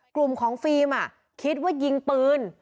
กลุ่มของฟิล์มคิดว่ายิงปืน